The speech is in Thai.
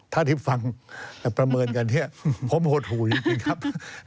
ถ้าทิศฟังและประเมินกันผมโหดหุยจริงครับ